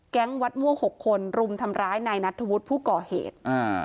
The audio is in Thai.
วัดม่วงหกคนรุมทำร้ายนายนัทธวุฒิผู้ก่อเหตุอ่า